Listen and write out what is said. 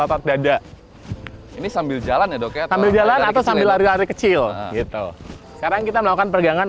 otot dada ini sambil jalan ya dok ya atau sambil lari kecil gitu sekarang kita melakukan peregangan